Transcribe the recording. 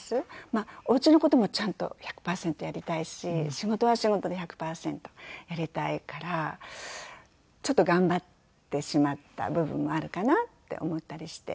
まあお家の事もちゃんと１００パーセントやりたいし仕事は仕事で１００パーセントやりたいからちょっと頑張ってしまった部分もあるかなって思ったりして。